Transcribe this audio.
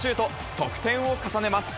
得点を重ねます。